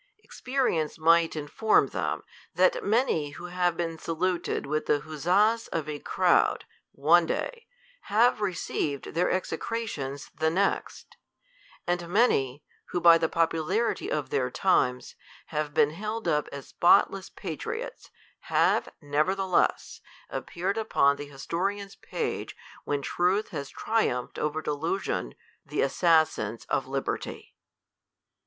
Ex perience might inform them, that many who have been saluted with the huzzas of a crowd, one day, have received their execrations the next ; and many, who, by the popularity of their times, have been held up as spodess patriots,' have, nevertheless, appeared upon the historian's page, when truth has triumphed over deluf sion, the assassins of liberty.